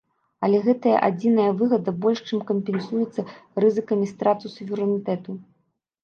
Але гэтая адзіная выгада больш чым кампенсуецца рызыкамі страты суверэнітэту.